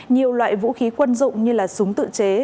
nhiều loại vũ khí quân dụng như là súng tự chế